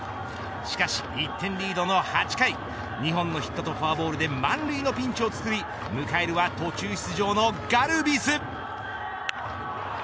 しかし１点リードの８回２本のヒットとフォアボールで満塁のピンチをつくり迎えるは途中出場のガルビス。